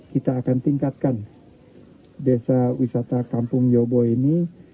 kita akan tingkatkan desa wisata kampung yobo ini